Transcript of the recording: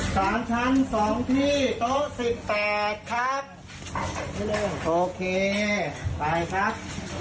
สามชั้นสองที่โต๊ะสิบแปดครับโอเคไปครับ